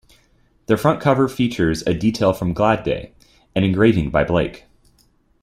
The front cover features a detail from "Glad Day", an engraving by Blake.